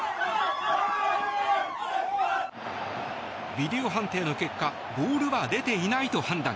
ビデオ判定の結果ボールは出ていないと判断。